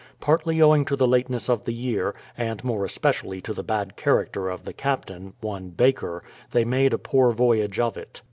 Partly owing to the lateness of the year, and more especially to the bad character of the captain, one Baker, they made a poor voyage of it.